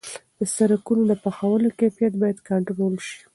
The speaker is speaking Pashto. د سرکونو د پخولو کیفیت باید کنټرول شي.